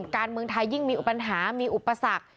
การเมืองไทยยิ่งมีปัญหามีอุปสรรค